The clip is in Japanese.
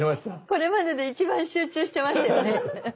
これまでで一番集中してましたよね。